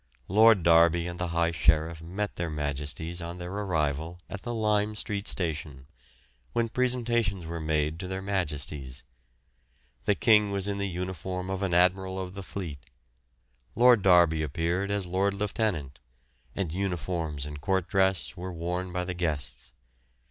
Lord Derby and the High Sheriff met their Majesties on their arrival at Lime Street Station, when presentations were made to their Majesties. The King was in the uniform of an Admiral of the Fleet; Lord Derby appeared as Lord Lieutenant, and uniforms and court dress were worn by the guests.